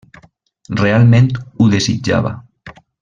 Realment ho desitjava.